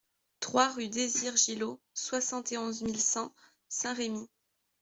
trois rue Desire Gilot, soixante et onze mille cent Saint-Rémy